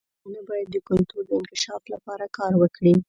پښتانه باید د کلتور د انکشاف لپاره کار وکړي.